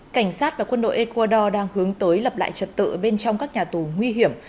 cảnh sát và quân đội ecuador đang hướng tới lập lại trật tự bên trong các nhà tù nguy hiểm